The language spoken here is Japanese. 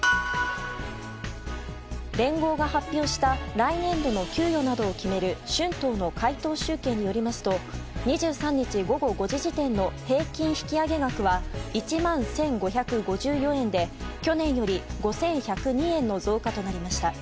連合が発表した来年度の給与などを決める春闘の回答集計によりますと２３日午後５時時点の平均引き上げ額は１万１５５４円で去年より５１０２円の増加となりました。